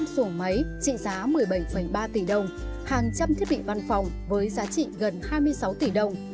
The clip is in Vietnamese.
năm xuồng máy trị giá một mươi bảy ba tỷ đồng hàng trăm thiết bị văn phòng với giá trị gần hai mươi sáu tỷ đồng